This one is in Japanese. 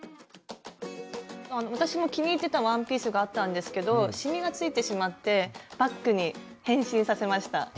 私も気に入ってたワンピースがあったんですけどシミがついてしまってバッグに変身させました。